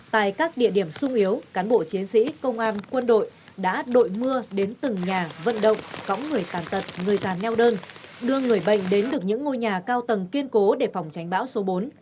tại các địa điểm sung yếu cán bộ chiến sĩ công an quân đội đã đội mưa đến từng nhà vận động cõng người tàn tật người già neo đơn đưa người bệnh đến được những ngôi nhà cao tầng kiên cố để phòng tránh bão số bốn